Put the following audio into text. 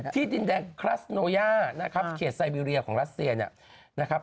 ที่ดินแดงครัสโนย่านะครับเขตไซเบีเรียของรัสเซียนะครับ